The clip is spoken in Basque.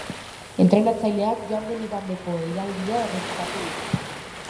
Entrenatzaileak joan den igandeko deialdia errepikatu du.